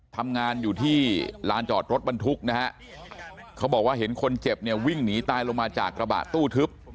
ทำงานอยู่ที่ลานจอดรถบรรทุกนะฮะเขาบอกว่าเห็นคนเจ็บเนี่ยวิ่งหนีตายลงมาจากกระบะตู้ทึบ